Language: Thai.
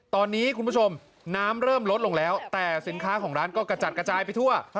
ตอนนี้คุณผู้ชมน้ำเริ่มลดลงแล้วแต่สินค้าของร้านก็กระจัดกระจายไปทั่ว